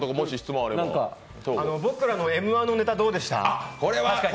僕らのＭ−１のネタどうでした？